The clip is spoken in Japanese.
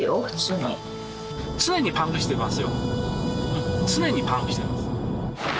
常にパンクしてます。